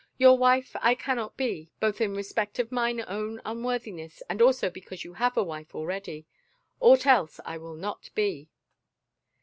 "Your wife I cannot be, both in respect of mine own unworthiness and also because you have a wife already — aught else I will not be."